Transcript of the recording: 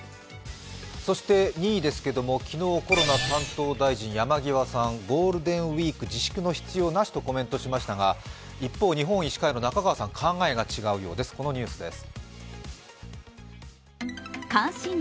２位ですけれども、昨日コロナ担当大臣、山際さんゴールデンウイーク自粛の必要なしとコメントしましたが一方、日本医師会の中川さんは考えが違うようです。